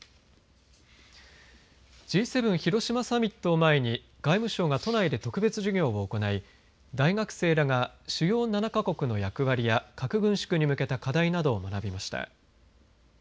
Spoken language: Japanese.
Ｇ７広島サミットを前に外務省が都内で特別授業を行い大学生らが主要７か国の役割や核軍縮に向けた課題などを学びました。